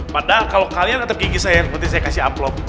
padahal kalau kalian tatap gigi saya berarti saya kasih amplop